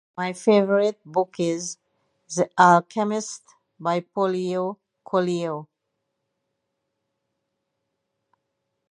My favorite book is "The Alchemist" by Paulo Coelho.